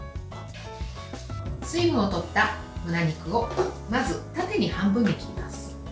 水分を取った、むね肉をまず、縦に半分に切ります。